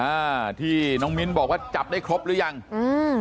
อ้าวที่นกมิลบอกว่าก็จับได้ครบหรือยังอืม